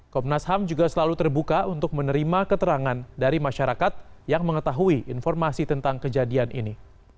komnas ham juga selalu terbuka untuk menerima keterangan dari masyarakat yang mengetahui informasi tentang kejadian ini